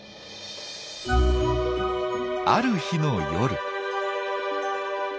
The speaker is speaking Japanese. ある日の夜。